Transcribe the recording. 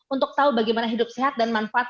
untuk tahu bagaimana hidup sehat dan manfaat